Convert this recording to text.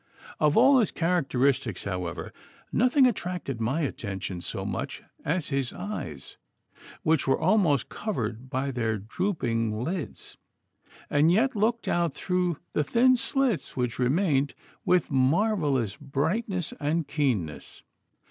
Of all his characteristics, however, nothing attracted my attention so much as his eyes, which were almost covered by their drooping lids, and yet looked out through the thin slits which remained with marvellous brightness and keenness.